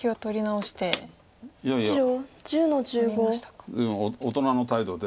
随分大人の態度で。